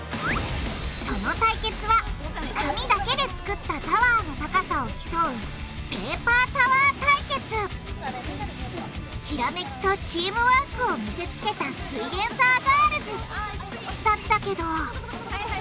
その対決は紙だけで作ったタワーの高さを競うひらめきとチームワークを見せつけたすイエんサーガールズ！だったけど。